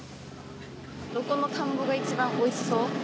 どこの田んぼが一番おいしそう？